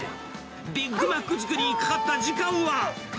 ビッグマック作りにかかった時間は。